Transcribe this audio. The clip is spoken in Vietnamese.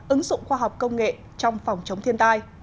ứng dụng khoa học công nghệ trong phòng chống thiên tai